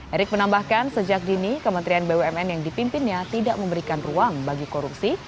erick menambahkan sejak dini kementerian bumn yang dipimpinnya tidak memberikan ruang bagi korupsi